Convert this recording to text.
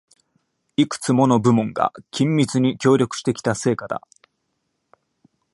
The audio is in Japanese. いくつもの部門が緊密に協力してきた成果だ